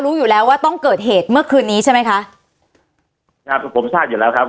รู้อยู่แล้วว่าต้องเกิดเหตุเมื่อคืนนี้ใช่ไหมคะครับผมทราบอยู่แล้วครับ